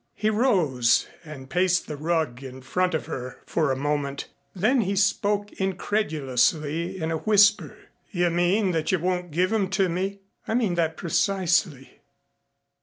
He rose and paced the rug in front of her for a moment. Then he spoke incredulously in a whisper. "You mean that you won't give 'em to me?" "I mean that precisely."